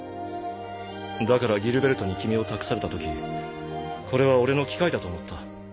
だからギルベルトに君を託された時これは俺の機会だと思った。